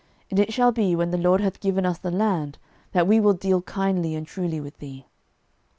And it shall be, when the LORD hath given us the land, that we will deal kindly and truly with thee.